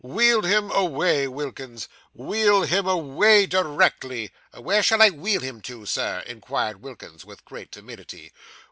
Wheel him away, Wilkins, wheel him away directly.' Where shall I wheel him to, sir?' inquired Wilkins, with great timidity.